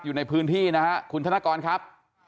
อยู่ในพื้นที่นะฮะคุณธนกรครับ